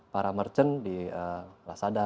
para merchant di lazada